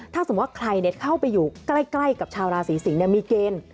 ถ้าสมมุติว่าใครเข้าไปอยู่ใกล้กับชาวราศีสิงศ์มีเกณฑ์